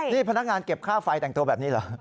นี่พนักงานเก็บค่าไฟแต่งตัวแบบนี้เหรอ